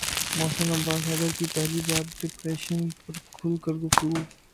محسن عباس حیدر کی پہلی بار ڈپریشن پر کھل کر گفتگو